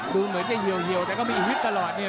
ดูเหมือนจะเหี่ยวแต่ก็มีฮึดตลอดเนี่ย